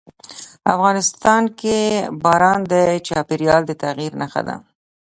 افغانستان کې باران د چاپېریال د تغیر نښه ده.